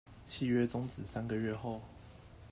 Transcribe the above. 契約終止三個月後